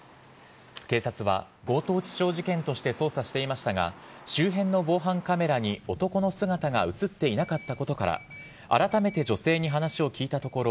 警察は強盗致傷事件として捜査していましたが周辺の防犯カメラに男の姿が映っていなかったことからあらためて女性に話を聞いたところ